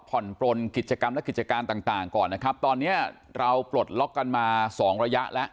ปลนกิจกรรมและกิจการต่างต่างก่อนนะครับตอนนี้เราปลดล็อกกันมาสองระยะแล้ว